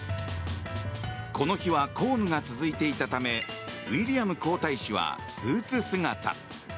この日は公務が続いていたためウィリアム皇太子はスーツ姿。